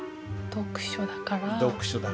「読書」だから。